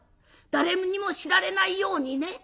誰にも知られないようにね」。